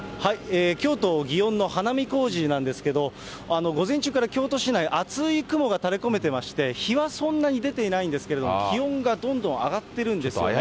京都・祇園のはなみこうじなんですが、午前中から京都市内、厚い雲がたれこめていまして、日はそんなに出ていないんですけれども、気温がどんどん上がってるんですよね。